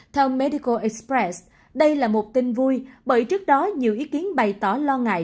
theo medical express đây là một tin vui bởi trước đó nhiều ý kiến bày tỏ lo ngại